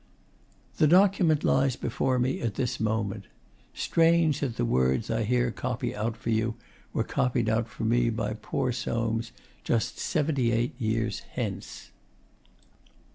The document lies before me at this moment. Strange that the words I here copy out for you were copied out for me by poor Soames just seventy eight years hence....